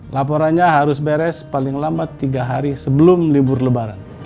laporannya harus beres paling lama tiga hari sebelum libur lebaran